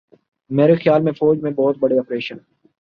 مارے خیال میں فوج میں بہت بڑے آپریشن